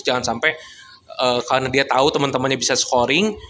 jangan sampai karena dia tahu temen temennya bisa scoring